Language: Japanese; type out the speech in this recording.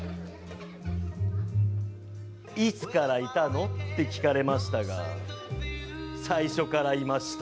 「いつからいたの？」って聞かれましたが最初からいました。